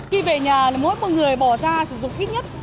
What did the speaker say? khi về nhà mỗi một người bỏ ra sử dụng ít nhất